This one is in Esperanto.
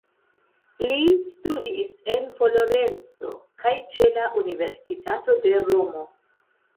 Li studis en Florenco kaj ĉe la universitato de Romo.